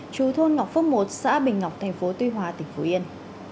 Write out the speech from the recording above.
chú thôn ngọc phúc một xã bình ngọc tp tuy hòa tp yen